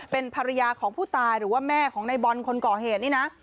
เป็นภรรยาของผู้ตายหรือว่าแม่ของในบอลคนก่อเหตุนี่นะ